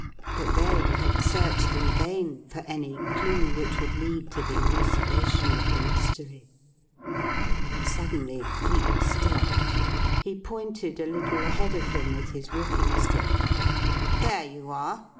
But they had searched in vain for any clue which would lead to the elucidation of the mystery. Suddenly Cleek stopped. He pointed a little ahead of him with his walking stick. "There you are!"